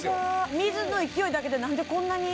水の勢いだけでなんでこんなに？